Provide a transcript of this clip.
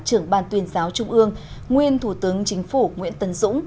trưởng ban tuyên giáo trung ương nguyên thủ tướng chính phủ nguyễn tân dũng